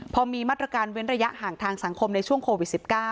พอมีมาตรการเว้นระยะห่างทางสังคมในช่วงโควิด๑๙